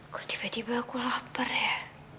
kok tiba tiba aku lapar ya